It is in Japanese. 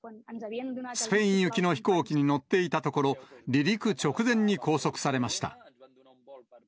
スペイン行きの飛行機に乗っていたところ、離陸直前に拘束されました。